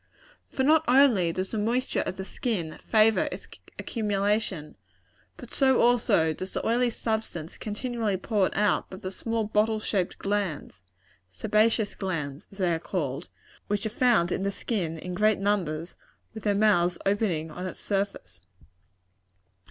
For not only does the moisture of the skin favor its accumulation, but so also does the oily substance continually poured out by the small bottle shaped glands sebaceous glands, as they are called which are found in the skin in great numbers, with their mouths opening on its surface.